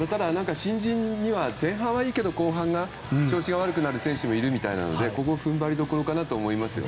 新人には前半はいいけど後半が調子が悪くなる選手もいるみたいなのでここが踏ん張りどころかなと思います。